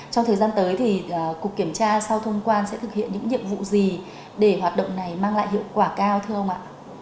trong thời gian tới thì cục kiểm tra sau thông quan sẽ thực hiện những nhiệm vụ gì để hoạt động này mang lại hiệu quả cao thưa ông ạ